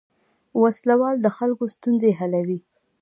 ولسوال د خلکو ستونزې حلوي